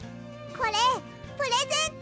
これプレゼント。